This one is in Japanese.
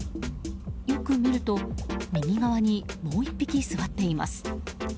よく見ると、右側にもう１匹座っています。